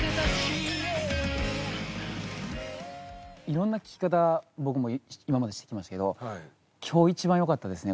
色んな聴き方僕も今までしてきましたけど今日一番よかったですね